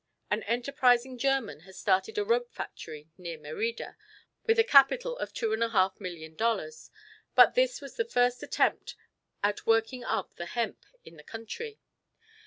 An enterprising German has started a rope factory near Merida with a capital of $2,500,000, but this is the first attempt at working up the hemp in the country.